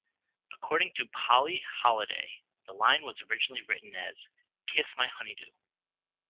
According to Polly Holliday, the line was originally written as, Kiss my honeydew!